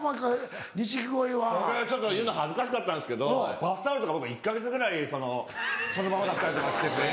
僕はちょっと言うの恥ずかしかったんですけどバスタオルとか僕１か月ぐらいそのままだったりとかしてて。